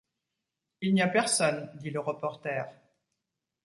Il n’y a personne, dit le reporter